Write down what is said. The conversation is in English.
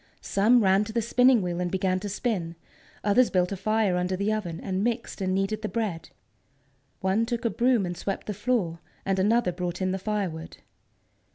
Some ran to the spinning wheel and began to spin, others built a fire under the oven, and mixed and kneaded the bread. One took a broom and swept the floor, and another brought in the firewood.